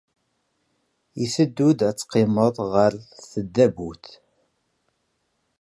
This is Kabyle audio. I teddud ad teqqimeḍ ɣer tdabut?